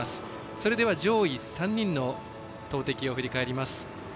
それでは上位３人の投てきを振り返ります。